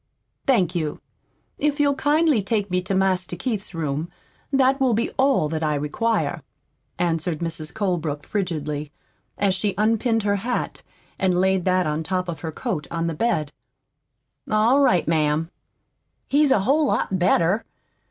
"Thank you. If you'll kindly take me to Master Keith's room, that will be all that I require," answered Mrs. Colebrook frigidly, as she unpinned her hat and laid that on top of her coat on the bed. "All right, ma'am. He's a whole lot better.